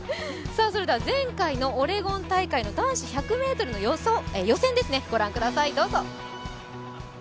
前回のオレゴン大会の男子１００ｍの予選ご覧ください。